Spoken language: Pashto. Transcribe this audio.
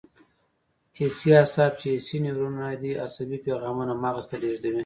حسي اعصاب چې حسي نیورونونه دي عصبي پیغامونه مغز ته لېږدوي.